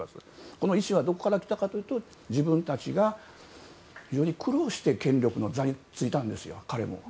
この意志はどこから来たかというと、自分たちが非常に苦労して権力の座に就いたんです、彼も。